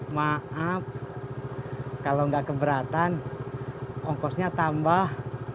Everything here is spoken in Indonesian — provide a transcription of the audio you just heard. maaf kalau nggak keberatan ongkosnya tambah